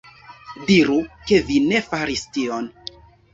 Diru, ke vi ne faris tion!